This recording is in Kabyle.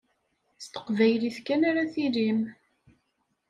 S teqbaylit kan ara tilim.